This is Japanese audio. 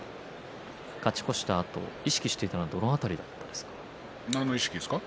勝ち越したあと意識したのは、どの辺りですか？